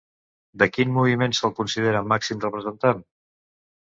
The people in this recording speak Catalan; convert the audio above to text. De quin moviment se'l considera màxim representant?